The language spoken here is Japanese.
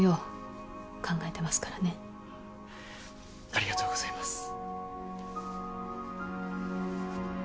ありがとうございます。